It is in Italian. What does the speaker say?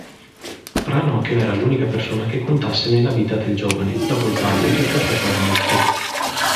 Ranocchio era l'unica persona che contasse nella vita del giovane, dopo il padre che purtroppo era morto.